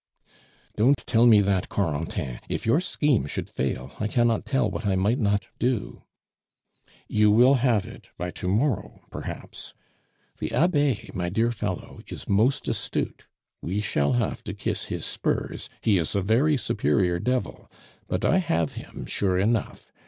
"Don't tell me that, Corentin. If your scheme should fail, I cannot tell what I might not do " "You will have it by to morrow perhaps! The Abbe, my dear fellow, is most astute; we shall have to kiss his spurs; he is a very superior devil. But I have him sure enough.